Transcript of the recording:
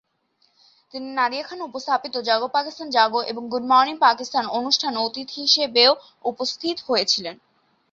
তিনি নাদিয়া খান উপস্থাপিত "জাগো পাকিস্তান জাগো" এবং "গুড মর্নিং পাকিস্তান" অনুষ্ঠান অতিথি হিসেবেও উপস্থিত হয়েছিলেন।